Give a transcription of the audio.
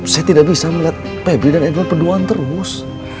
saya tidak bisa melihat febri dan edward berduaan terus